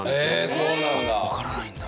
そうなんだ。